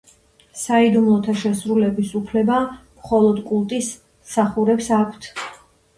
საიდუმლოთა შესრულების უფლება მხოლოდ კულტის მსახურებს აქვთ.